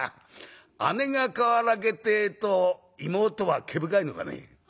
姉がかわらけってえと妹は毛深いのかね」。